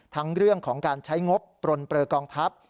ทั้งเรื่องของการใช้งบปลนเปลือกองทัพ